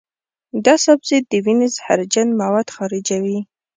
دا سبزی د وینې زهرجن مواد خارجوي.